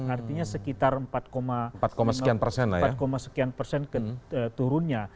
artinya sekitar empat sekian persen turunnya